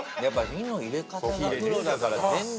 火の入れ方がプロだから全然。